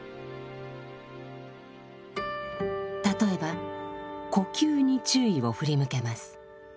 例えば呼吸に注意を振り向けます。